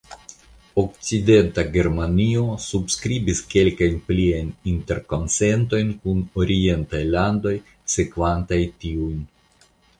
Okcidenta Germanio subskribis kelkajn pliajn interkonsentojn kun orientaj landoj sekvantaj tiujn.